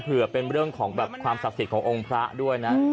เผื่อเป็นเรื่องของแบบความศักดิ์สิทธิ์ขององค์พระด้วยนะ